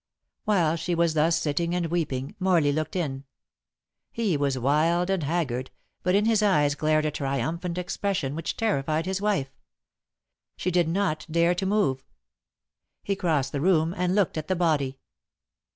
While she was thus sitting and weeping, Morley looked in. He was wild and haggard, but in his eyes glared a triumphant expression which terrified his wife. She did not dare to move. He crossed the room, and looked at the body.